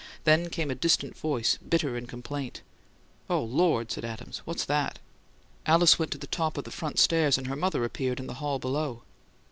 Then came a distant voice, bitter in complaint. "Oh, Lord!" said Adams. "What's that?" Alice went to the top of the front stairs, and her mother appeared in the hall below.